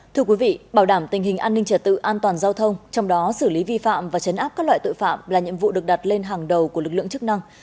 thưa quý vị bảo đảm tình hình an ninh trật tự an toàn giao thông trong đó xử lý vi phạm và chấn áp các loại tội phạm là nhiệm vụ được đặt lên hàng đầu của lực lượng chức năng